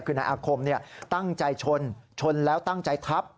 คือนายอาคมตั้งใจชนชนแล้วตั้งใจทับ